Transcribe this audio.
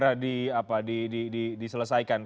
penting juga untuk segera diselesaikan